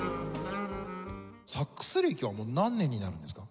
サックス歴はもう何年になるんですか？